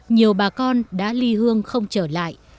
nhiều bà con đã ly hương không trở lại